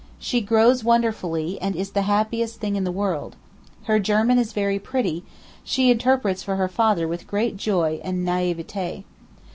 She grows wonderfully, and is the happiest thing in the world. Her German is very pretty; she interprets for her father with great joy and naïveté.